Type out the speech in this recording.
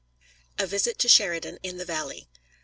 A VISIT TO SHERIDAN IN THE VALLEY.